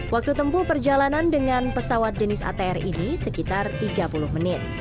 waktu tempuh perjalanan dengan pesawat jenis atr ini sekitar tiga puluh menit